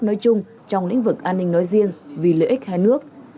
nói chung trong lĩnh vực an ninh nói riêng vì lợi ích hai nước